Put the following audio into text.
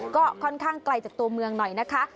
ก็ค่อนข้างไกลจากตัวเมืองหน่อยนะคะ